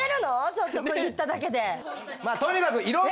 ちょっとこれ言っただけで。